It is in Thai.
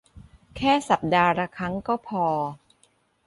แค่สัปดาห์ละครั้งก็พอ